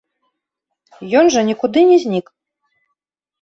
Ён жа нікуды не знік.